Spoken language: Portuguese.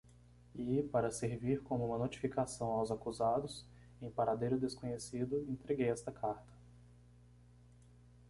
E, para servir como uma notificação aos acusados, em paradeiro desconhecido, entreguei esta carta.